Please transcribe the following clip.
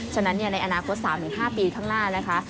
ฉะนั้นในอนาคต๓๕ปีข้างหน้านะคะ